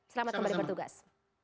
selamat kembali bertugas